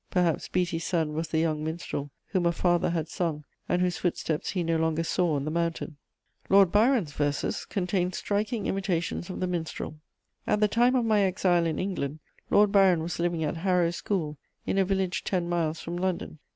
Perhaps Beattie's son was the young minstrel whom a father had sung and whose footsteps he no longer saw on the mountain. * Lord Byron's verses contain striking imitations of the Minstrel. At the time of my exile in England, Lord Byron was living at Harrow School, in a village ten miles from London.